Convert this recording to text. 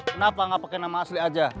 kenapa nggak pakai nama asli aja